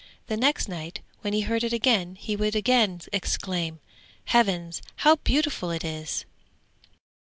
The next night when he heard it again he would again exclaim, 'Heavens, how beautiful it is!'